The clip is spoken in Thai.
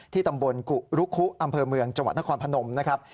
ตำบลกุรุคุอำเภอเมืองจังหวัดนครพนมนะครับ